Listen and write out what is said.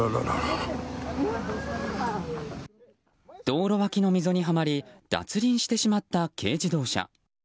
道路脇の溝にはまり脱輪してしまった軽自動車。